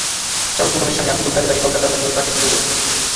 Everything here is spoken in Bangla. চাচাতো বোনের স্বামী আবদুল কাদের তাঁকে কলকাতা বন্দরে চাকরি জুটিয়ে দেন।